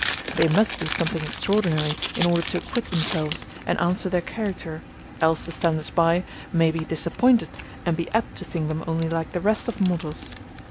They must do something extraordinary, in order to acquit themselves, and answer their character, else the standers by may be disappointed and be apt to think them only like the rest of mortals.